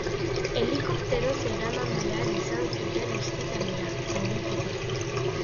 Helikopteroz eraman behar izan zuten ospitalera, zaurituta.